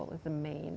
apa yang utama